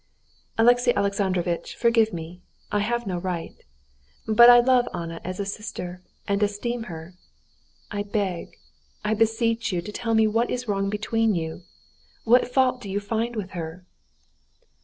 "Alexey Alexandrovitch, forgive me, I have no right ... but I love Anna as a sister, and esteem her; I beg, I beseech you to tell me what is wrong between you? what fault do you find with her?"